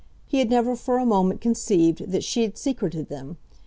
He had never for a moment conceived that she had secreted them.